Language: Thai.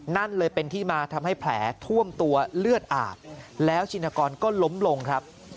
นั่นเลยเป็นที่มาทำให้แผลท่วมตัวเลือดอาบแล้วชินกรก็ล้มลงครับ